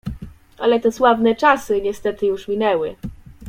"Ale te sławne czasy niestety już minęły."